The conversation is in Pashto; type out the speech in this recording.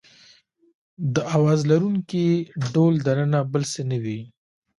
د اواز لرونکي ډهل دننه بل څه نه وي.